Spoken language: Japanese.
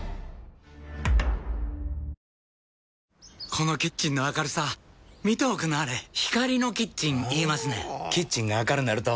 このキッチンの明るさ見ておくんなはれ光のキッチン言いますねんほぉキッチンが明るなると・・・